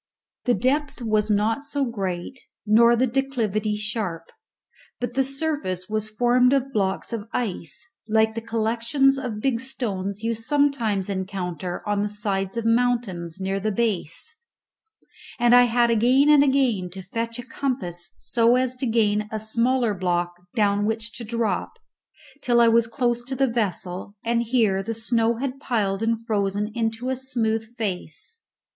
The depth was not great nor the declivity sharp; but the surface was formed of blocks of ice, like the collections of big stones you sometimes encounter on the sides of mountains near the base; and I had again and again to fetch a compass so as to gain a smaller block down which to drop, till I was close to the vessel, and here the snow had piled and frozen into a smooth face.